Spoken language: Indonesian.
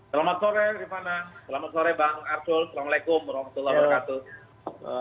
selamat sore rifana selamat sore bang arsul waalaikumsalam